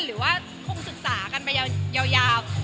หรือว่าคงศึกษากันไปยาว